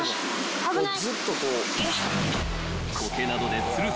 危ない。